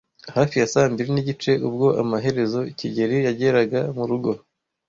Hafi ya saa mbiri nigice ubwo amaherezo kigeli yageraga murugo.